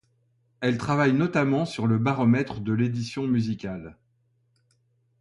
Elle travaille notamment sur le Baromètre de l'édition musicale.